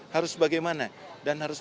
harus bagaimana dan harus